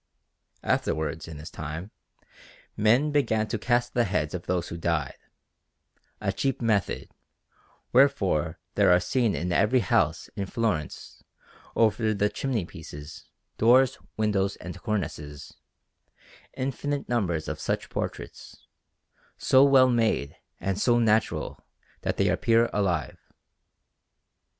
Afterwards, in his time, men began to cast the heads of those who died a cheap method; wherefore there are seen in every house in Florence, over the chimney pieces, doors, windows, and cornices, infinite numbers of such portraits, so well made and so natural that they appear alive.